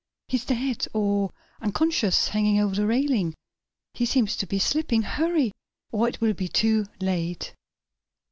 "He's dead or unconscious hanging over the railing. He seems to be slipping! Hurry, or it will be too late!"